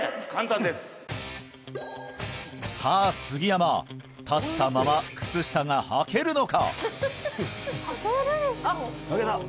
杉山立ったまま靴下がはけるのか！？